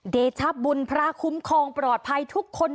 เดชบุญพระคุ้มครองปลอดภัยทุกคน